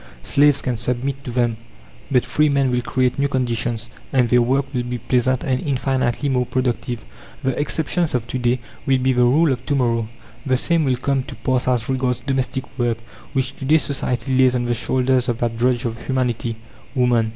Slaves can submit to them, but free men will create new conditions, and their work will be pleasant and infinitely more productive. The exceptions of to day will be the rule of to morrow. The same will come to pass as regards domestic work, which to day society lays on the shoulders of that drudge of humanity woman.